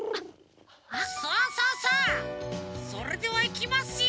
さあさあさあそれではいきますよ！